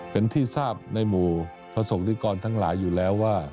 เป็นที่ทราบในหมู่ประสบนิกรทั้งหลายอยู่แล้วว่า